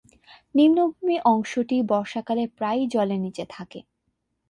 নিম্নভূমি অংশটি বর্ষাকালে প্রায়ই জলের নিচে থাকে।